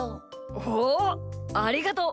おおっありがとう。